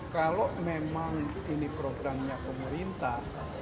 kalau memang ini programnya pemerintah